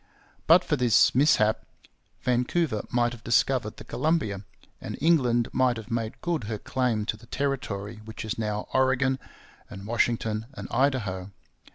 But for this mishap Vancouver might have discovered the Columbia, and England might have made good her claim to the territory which is now Oregon and Washington and Idaho.